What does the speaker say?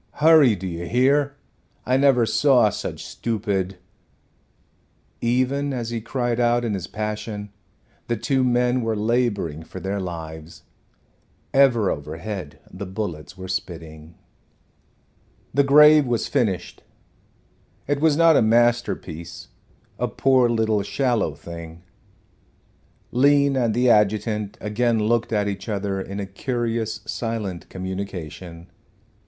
Hurry, do you hear? I never saw such stupid " Even as he cried out in his passion the two men were laboring for their lives. Ever overhead the bullets were spitting. The grave was finished, It was not a masterpiece a poor little shallow thing. Lean and the adjutant again looked at each other in a curious silent communication.